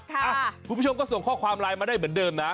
คุณผู้ชมก็ส่งข้อความไลน์มาได้เหมือนเดิมนะ